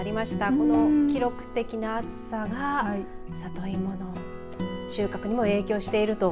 この記録的な暑さが里芋の収穫にも影響している。